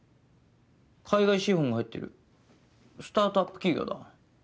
海外資本が入ってるスタートアップ企業だ。